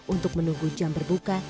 untuk menunggu jam berbuka